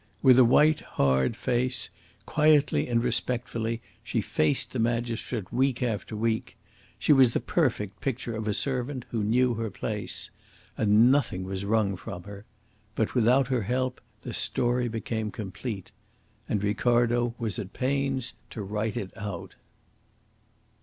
With a white, hard face, quietly and respectfully she faced the magistrate week after week. She was the perfect picture of a servant who knew her place. And nothing was wrung from her. But without her help the story became complete. And Ricardo was at pains to write it out.